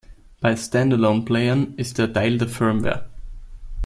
Bei Standalone-Playern ist er Teil der Firmware.